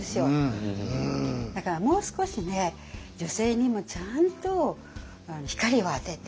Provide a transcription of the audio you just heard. だからもう少しね女性にもちゃんと光を当てて。